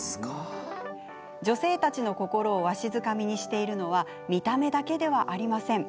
女性たちの心をわしづかみにしているのは見た目だけではありません。